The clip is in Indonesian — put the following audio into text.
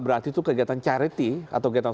berarti itu kegiatan charity atau kegiatan